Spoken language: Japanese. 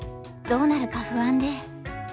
どうなるか不安で。